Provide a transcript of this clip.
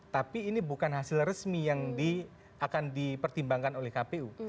tapi ini bukan hasil resmi yang akan dipertimbangkan oleh kpu